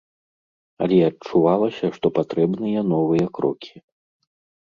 Але адчувалася, што патрэбныя новыя крокі.